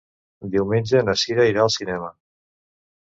Diumenge na Sira irà al cinema.